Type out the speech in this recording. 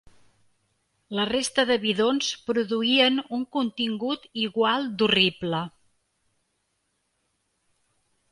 La resta de bidons produïen un contingut igual d'horrible.